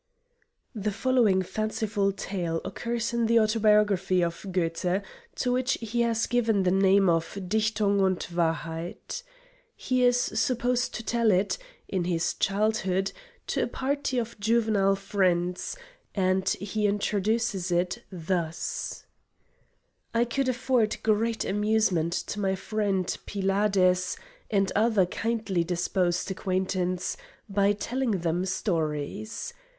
[The following fanciful tale occurs in the autobiography of Goethe, to which he has given the name of "Dichtung und Wahrheit." He is supposed to tell it, in his childhood, to a party of juvenile friends, and he introduces it thus: "I could afford great amusement to my friend, Pylades, and other kindly disposed acquaintance, by telling them stories.